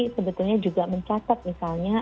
sebetulnya juga mencatat misalnya